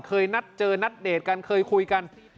เคยนัดเจอนัดเดทกันเคยคุยกัน